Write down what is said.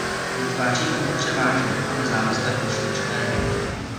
Vytváří hudbu převážně pro nezávislé počítačové hry.